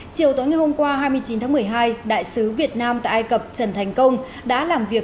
chiều tối ngày hôm qua hai mươi chín tháng một mươi hai đại sứ việt nam tại ai cập trần thành công đã làm việc